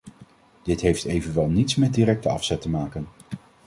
Dit heeft evenwel niets met directe afzet te maken.